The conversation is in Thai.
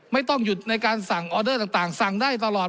ไม่ต้องหยุดในการสั่งออเดอร์ต่างสั่งได้ตลอด